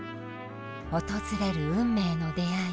訪れる運命の出会い。